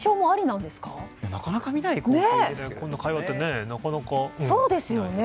なかなか見ない光景ですよね。